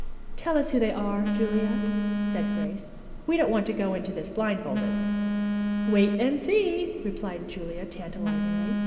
"Tell us who they are, Julia," said Grace. "We don't want to go into this blindfolded." "Wait and see," replied Julia tantalizingly.